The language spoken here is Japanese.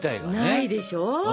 ないでしょう？